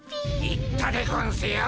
言ったでゴンスよ！